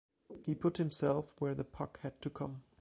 He put himself where the puck had to come.